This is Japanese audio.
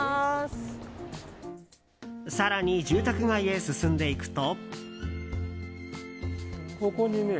更に住宅街へ進んでいくと。